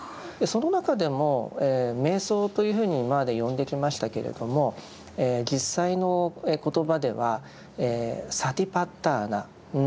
その中でも瞑想というふうに今まで呼んできましたけれども実際の言葉では「サティパッターナ」「念処」という言葉で呼ばれています。